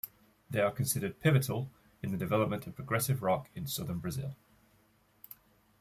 They are considered pivotal in the development of progressive rock in Southern Brazil.